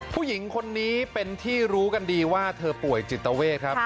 ผู้หญิงคนนี้เป็นที่รู้กันดีว่าเธอป่วยจิตเวทครับ